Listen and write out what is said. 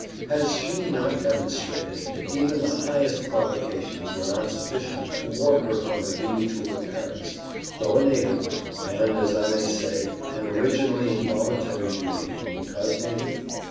Has she not demonstrated, that even the highest provocations were not sufficient to warp her from her duty to her parents, though a native, and, as I may say, an originally involuntary duty, because native?